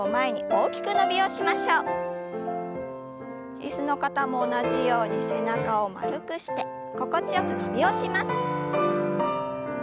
椅子の方も同じように背中を丸くして心地よく伸びをします。